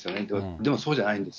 でもそうじゃないんです。